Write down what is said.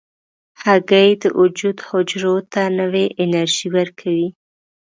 هګۍ د وجود حجرو ته نوې انرژي ورکوي.